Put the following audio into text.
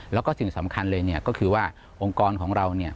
แล้วก็สิ่งสำคัญเลยก็คือว่าองค์กรของเรา